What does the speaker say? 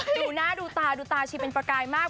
ดูหน้าดูตาดูตาชีเป็นประกายมาก